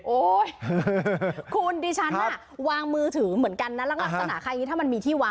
โอ๊ยคุณดิฉันวางมือถือเหมือนกันน่ะลักษณะใครถ้ามันมีที่วะ